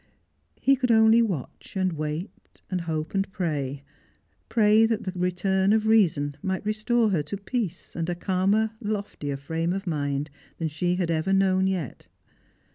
He could only watch and wait and hope and pray, pray that the return of reason might restore her to peace and a calmer loftier frame of mind than she had ever known yet.